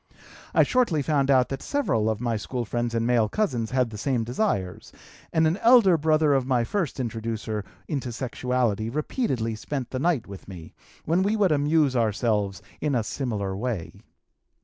I shortly found out that several of my school friends and male cousins had the same desires, and an elder brother of my first introducer into sexuality repeatedly spent the night with me, when we would amuse ourselves in a similar way.